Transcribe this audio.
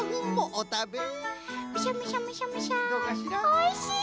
「おいしい！